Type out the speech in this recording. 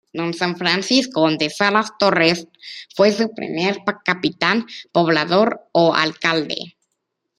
Don Francisco de Salas Torres fue su primer capitán poblador, o alcalde.